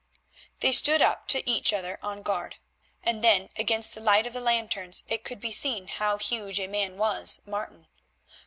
They stood up to each other on guard, and then against the light of the lanterns it could be seen how huge a man was Martin.